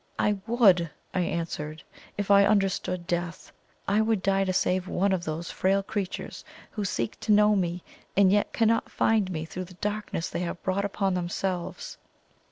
"I would!" I answered; "if I understood death, I would die to save one of those frail creatures, who seek to know me and yet cannot find me through the darkness they have brought upon themselves."